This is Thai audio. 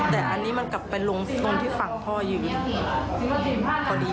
แต่อันนี้มันกลับไปลงไปฝั่งพ่ออยู่อีก